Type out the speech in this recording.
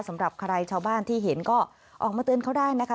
สำหรับใครชาวบ้านที่เห็นก็ออกมาเตือนเขาได้นะคะ